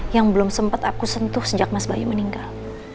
yang belum sempat aku sentuh sejak mas bayu meninggal